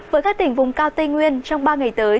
với các tỉnh vùng cao tây nguyên trong ba ngày tới